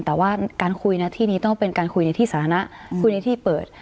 แต่ว่าการคุยนะที่นี้ต้องเป็นการคุยในที่สาธารณะคุยในที่เปิด